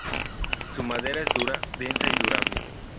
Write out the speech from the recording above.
Su madera es dura, densa y durable.